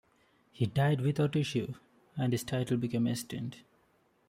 He died without issue and his title became extinct.